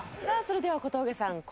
さあそれでは小峠さん